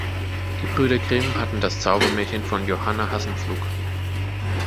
Die Brüder Grimm hatten das Zaubermärchen von Johanna Hassenpflug.